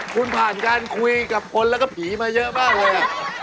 คุณผ่านการคุยกับคนแล้วก็ผีมาเยอะมากเลย